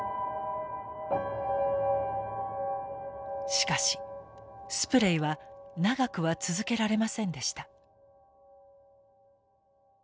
しかしスプレイは長くは続けられませんでした。